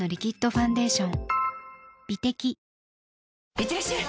いってらっしゃい！